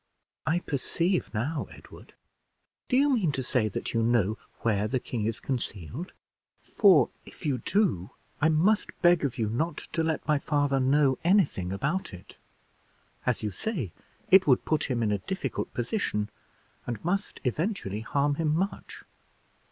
"I perceive now, Edward; do you mean to say that you know where the king is concealed? for, if you do, I must beg of you not let my father know any thing about it. As you say, it would put him in a difficult position, and must eventually harm him much.